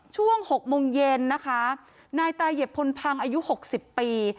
ช่วง๖โมงเย็นนะคะนายตาเหยียบพลพังอายุ๖๐ปี